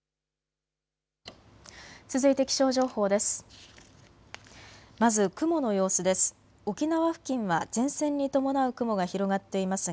続いて気象情報です。